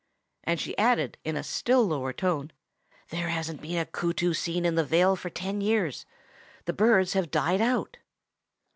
and she added in a still lower tone, "There hasn't been a Kootoo seen in the Vale for ten years; the birds have died out."